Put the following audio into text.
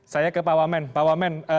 saya ke pak wamen pak wamen